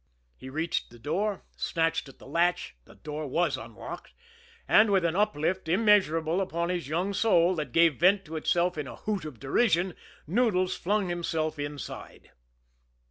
He reached the door, snatched at the latch the door was unlocked and with an uplift immeasurable upon his young soul, that gave vent to itself in a hoot of derision, Noodles flung himself inside.